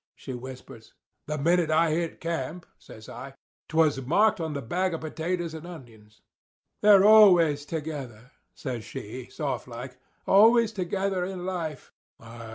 she whispers. 'The minute I hit camp,' says I. ''Twas marked on the bag of potatoes and onions.' 'They're always together,' says she, soft like—'always together in life.